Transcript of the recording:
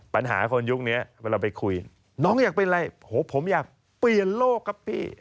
ปัญหาคนยุคนี้เวลาไปคุยน้องอยากเป็นอะไรผมอยากเปลี่ยนโลกครับพี่